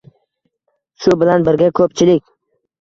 Shu bilan birga, ko‘pchilik